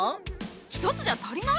１つじゃ足りない？